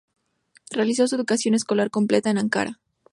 Realizó su educación escolar completa en Ankara.